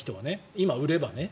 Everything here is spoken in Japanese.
今、売ればね。